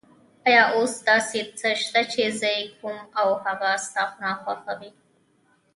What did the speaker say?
آیا اوس داسې څه شته چې زه یې کوم او هغه ستا ناخوښه وي؟